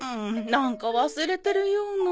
なんか忘れてるような。